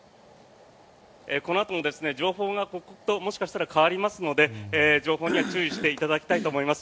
このあとも情報が刻々ともしかしたら変わりますので情報には注意していただきたいと思います。